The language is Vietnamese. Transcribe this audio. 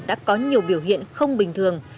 đã có nhiều biểu hiện không bình thường